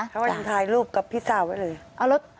เขาก็ยังถ่ายรูปกับพี่สาวไว้เลย